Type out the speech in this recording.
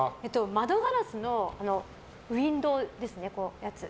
窓ガラスのウィンドーですね。